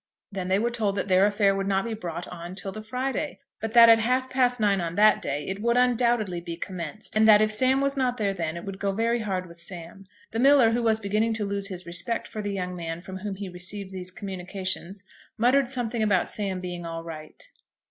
Then they were told that their affair would not be brought on till the Friday, but that at half past nine on that day, it would undoubtedly be commenced; and that if Sam was not there then, it would go very hard with Sam. The miller, who was beginning to lose his respect for the young man from whom he received these communications, muttered something about Sam being all right.